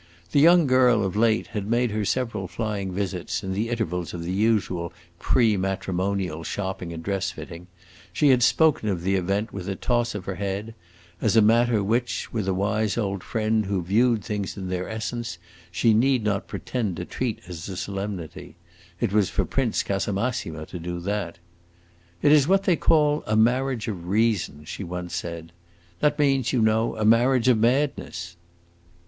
The young girl, of late, had made her several flying visits, in the intervals of the usual pre matrimonial shopping and dress fitting; she had spoken of the event with a toss of her head, as a matter which, with a wise old friend who viewed things in their essence, she need not pretend to treat as a solemnity. It was for Prince Casamassima to do that. "It is what they call a marriage of reason," she once said. "That means, you know, a marriage of madness!"